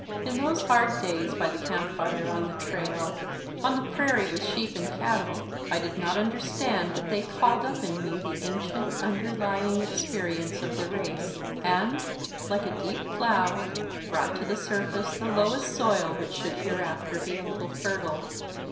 In those hard days by the camp fire, on the trail, on the prairie with sheep and cattle, I did not understand that they called up in me the ancient underlying experience of the race, and, like a deep plough, brought to the surface the lowest soil which should hereafter be a little fertile.